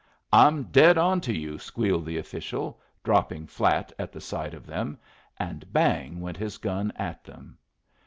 "I'm dead on to you!" squealed the official, dropping flat at the sight of them; and bang went his gun at them.